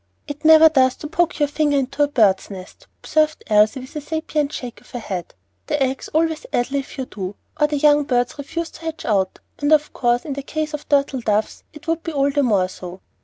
"It never does to poke your finger into a bird's nest," observed Elsie, with a sapient shake of the head. "The eggs always addle if you do, or the young birds refuse to hatch out; and of course in the case of turtle doves it would be all the more so.